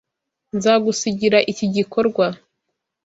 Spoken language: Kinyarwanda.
Nzagusigira iki gikorwa.